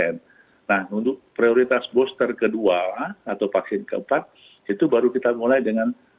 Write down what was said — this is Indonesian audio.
nah untuk prioritas booster kedua atau vaksin keempat itu baru kita mulai dengan